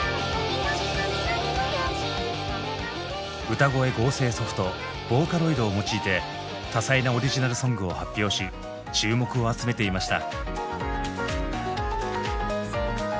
歌声合成ソフト「ＶＯＣＡＬＯＩＤ」を用いて多彩なオリジナルソングを発表し注目を集めていました。